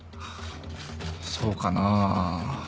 そうかな？